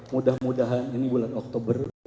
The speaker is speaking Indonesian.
mudah mudahan ini bulan oktober